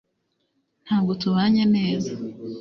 ntabwo tubanye neza